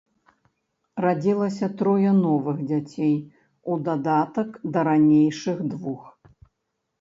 Радзілася трое новых дзяцей у дадатак да ранейшых двух.